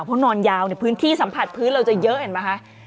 เพราะนอนยาวเนี่ยพื้นที่สัมผัสพื้นเราจะเยอะเห็นไหมคะ